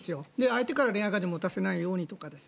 相手から恋愛感情を持たせないようにとか。